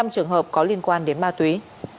hai trăm hai mươi năm trường hợp có liên quan đến ma túy